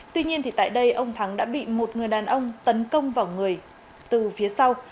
tuy nhiên tại đây ông thắng đã bị một người đàn ông tấn công vào người từ phía sau